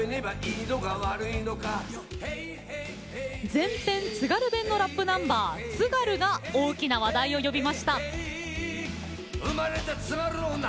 全編津軽弁のラップナンバー「ＴＳＵＧＡＲＵ」が大きな話題を呼びました。